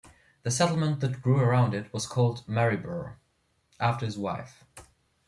The settlement that grew around it was called Maryburgh, after his wife.